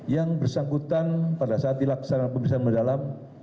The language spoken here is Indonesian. yang bersangkutan pada saat dilaksanakan pemeriksaan mendalam